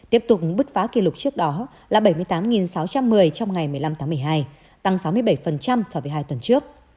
tiếp tục bứt phá kỷ lục trước đó là bảy mươi tám sáu trăm một mươi trong ngày một mươi năm tháng một mươi hai tăng sáu mươi bảy so với hai tuần trước